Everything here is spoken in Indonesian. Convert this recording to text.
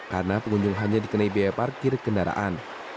karena pengunjung hanya dikenai biaya parkir kendaraan